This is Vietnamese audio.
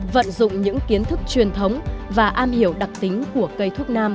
vận dụng những kiến thức truyền thống và am hiểu đặc tính của cây thuốc nam